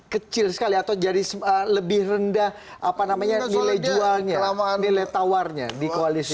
kecil sekali atau jadi lebih rendah apa namanya nilai jualnya nilai tawarnya di koalisi